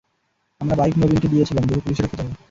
আমার বাইক নবীনকে দিয়েছিলাম, যদি পুলিশের হাতে যায়।